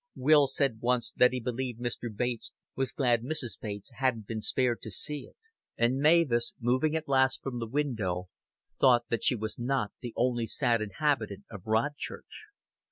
Will said once that he believed Mr. Bates was glad Mrs. Bates hadn't been spared to see it. And Mavis, moving at last from the window, thought that she was not the only sad inhabitant of Rodchurch.